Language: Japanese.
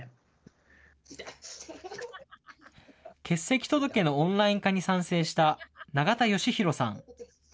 欠席届のオンライン化に賛成した、永田義博さん。